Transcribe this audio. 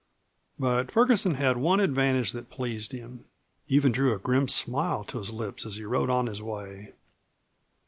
But Ferguson had one advantage that pleased him, even drew a grim smile to his lips as he rode on his way.